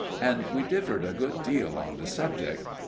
And we differed a good deal on the subject.